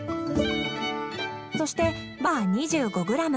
そしてバター２５ｇ。